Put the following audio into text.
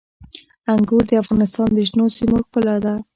انګور د افغانستان د شنو سیمو ښکلا ده.